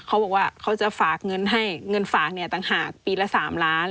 เขาบอกว่าเขาจะฝากเงินให้เงินฝากเนี่ยต่างหากปีละ๓ล้าน